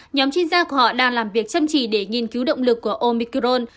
nhóm chuyên gia của họ đang làm việc chăm chỉ để nghiên cứu động lực của omicron